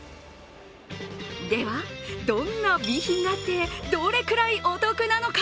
では、どんなＢ品があって、どれくらいお得なのか？